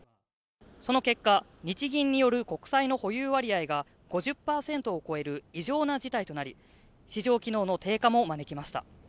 その結果、日銀による国債の保有割合が５０％を超える異常な事態となり市場機能の低下も招きました。